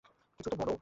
কিছু তো বল!